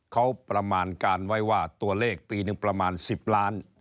เขาประมาณการไว้ว่าตัวเลขปีหนึ่งประมาณ๑๐ล้าน